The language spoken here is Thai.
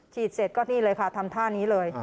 เสร็จก็นี่เลยค่ะทำท่านี้เลย